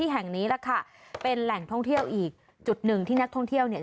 แห่งนี้แหละค่ะเป็นแหล่งท่องเที่ยวอีกจุดหนึ่งที่นักท่องเที่ยวเนี่ย